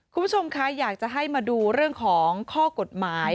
คุณผู้ชมคะอยากจะให้มาดูเรื่องของข้อกฎหมาย